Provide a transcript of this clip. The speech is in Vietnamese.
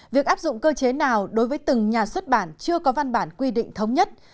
việc áp dụng cơ chế nào đối với từng nhà xuất bản chưa có văn bản quy định thống nhất